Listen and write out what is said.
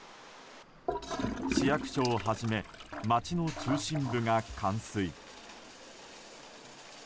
市役所をはじめ街の中心部が冠水。